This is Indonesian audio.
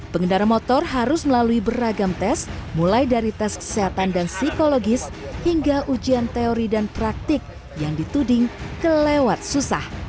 pengendara motor harus melalui beragam tes mulai dari tes kesehatan dan psikologis hingga ujian teori dan praktik yang dituding kelewat susah